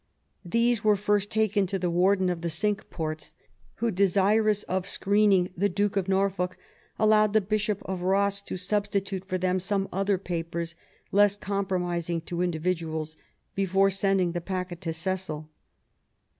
These were first taken to the Warden of the Cinque Ports, who, desirous of screening the Duke of Norfolk, allowed the Bishop of Ross to substitute for them some other papers, less compromising to individuals, before sending the packet to Cecil.